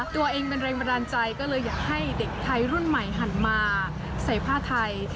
ตัวเองเป็นแรงบันดาลใจก็เลยอยากให้เด็กไทยรุ่นใหม่หันมาใส่ผ้าไทย